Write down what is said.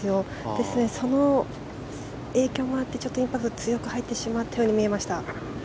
ですので、その影響もあってちょっとインパクトが強く入ってしまったように見えました。